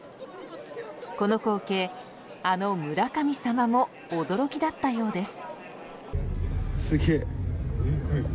この光景、あの村神様も驚きだったようです。